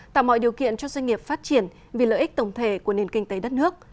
tạo mọi điều kiện cho doanh nghiệp phát triển vì lợi ích tổng thể của nền kinh tế đất nước